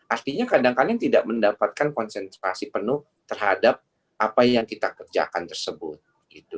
artinya kadang kadang tidak mendapatkan konsentrasi penuh terhadap apa yang kita kerjakan tersebut gitu